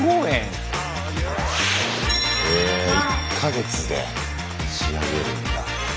へえ１か月で仕上げるんだ。